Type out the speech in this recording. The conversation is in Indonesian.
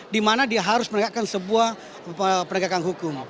di mana dia harus meregatkan sebuah pernegakan hukum